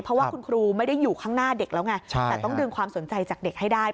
เพราะว่าคุณครูไม่ได้อยู่ข้างหน้าเด็กแล้วไงแต่ต้องดึงความสนใจจากเด็กให้ได้